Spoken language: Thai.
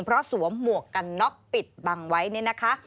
เพราะสวมหมวกกันน็อกปิดบังไว้เนี่ยนะคะ